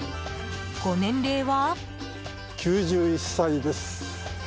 ご年齢は？